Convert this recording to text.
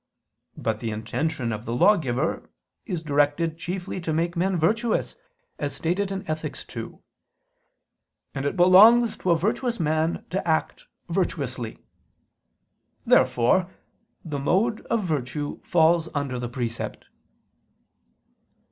But the intention of the lawgiver is directed chiefly to make men virtuous, as stated in Ethic. ii: and it belongs to a virtuous man to act virtuously. Therefore the mode of virtue falls under the precept.